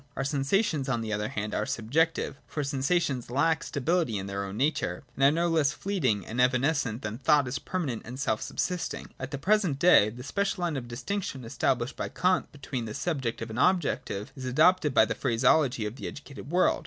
Our sensations on the other hand are subjective ; for sensations lack stability in their own nature, and are no less fleeting and evanescent than thought is permanent and self subsist ing. At the present day, the special Hne of distinction established by Kant between the subjective and objective is adopted by the phraseology of the educated world.